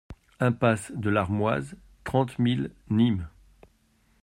Impasse de l'Armoise, trente mille Nîmes